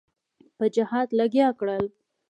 په جهاد لګیا کړل.